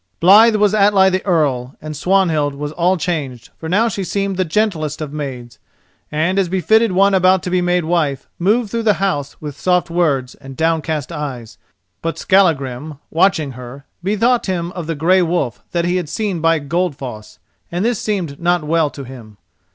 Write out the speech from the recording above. Blithe was Atli the Earl, and Swanhild was all changed, for now she seemed the gentlest of maids, and, as befitted one about to be made a wife, moved through the house with soft words and downcast eyes. But Skallagrim, watching her, bethought him of the grey wolf that he had seen by Goldfoss, and this seemed not well to him.